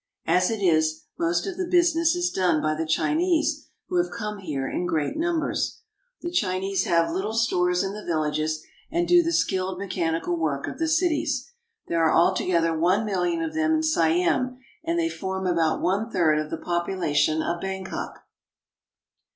As it is, most of the busi ness is done by the Chinese, who have come here in great numbers. The Chinese have little stores in the villages, and do the skilled mechanical work of the cities. There are all together one million of them in Siam, and they form about one third of the population of Bangkok.